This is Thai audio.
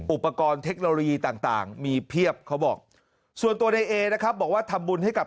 อุปกรณ์เทคโนโลยีต่างมีเพียบเขาบอกส่วนตัวในเอนะครับบอกว่าทำบุญให้กับ